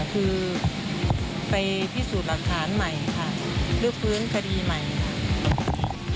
คือไปพิสูจน์หลักฐานใหม่ค่ะลื้อฟื้นคดีใหม่ค่ะ